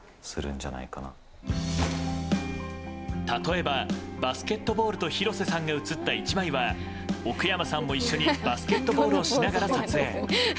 例えば、バスケットボールと広瀬さんが写った１枚は奥山さんも一緒にバスケットボールをしながら撮影。